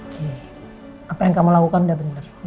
apa yang kamu lakukan udah benar